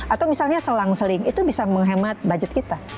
atau misalnya selang seling itu bisa menghemat budget kita